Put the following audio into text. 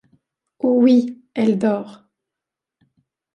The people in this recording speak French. Oh oui, elle dort.